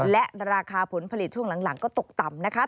และราคาผลผลิตช่วงหลังก็ตกต่ำนะคะ